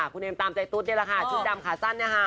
คุณเอมตามใจตุ๊ดนี่แหละค่ะชุดดำขาสั้น